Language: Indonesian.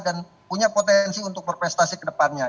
dan punya potensi untuk berprestasi kedepannya